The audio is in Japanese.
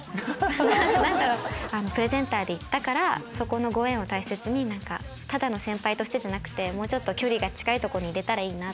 ⁉プレゼンターで行ったからそこのご縁を大切にただの先輩としてじゃなくて距離が近いとこにいれたらなと。